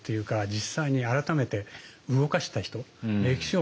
実際に改めて動かした人。